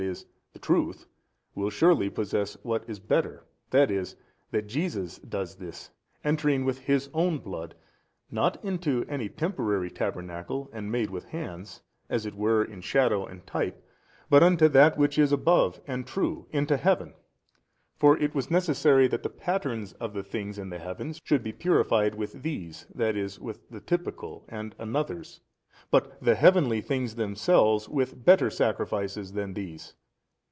e. the Truth, will surely possess what is better, i. e., that Jesus does this, entering with His own blood, not into any temporary tabernacle and made with hands, as it were in shadow and type, but into that which is above and true, into Heaven: for it was necessary that the patterns of the things in the heavens should be purified with these (i. e. with the typical and another's) but the heavenly things themselves with better sacrifices than these.